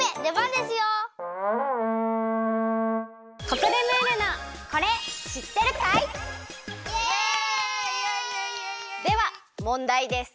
ではもんだいです！